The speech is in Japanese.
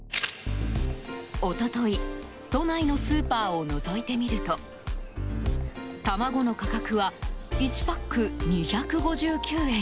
一昨日、都内のスーパーをのぞいてみると卵の価格は１パック２５９円。